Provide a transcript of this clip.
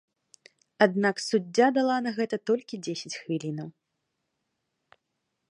Аднак суддзя дала на гэта толькі дзесяць хвілінаў.